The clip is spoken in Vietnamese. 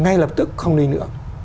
ngay lập tức không đi nữa